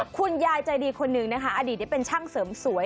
คุณยายใจดีคนหนึ่งนะคะอดีตได้เป็นช่างเสริมสวย